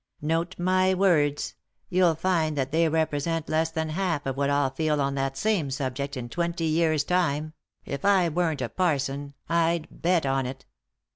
Note my words ! you'll find that they represent less than half of what I'll feel on that same subject in twenty years' time — if I weren't a parson I'd bet on it."